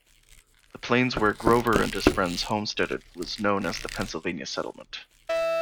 The plains where Grover and his friends homesteaded was known as the Pennsylvania Settlement.